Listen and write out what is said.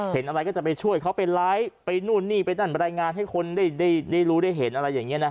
เห็นอะไรก็จะไปช่วยเขาไปไลฟ์ไปนู่นนี่ไปนั่นไปรายงานให้คนได้รู้ได้เห็นอะไรอย่างนี้นะฮะ